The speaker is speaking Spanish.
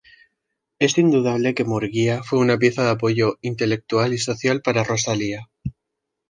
Es indudable que Murguía fue una pieza de apoyo intelectual y social para Rosalía.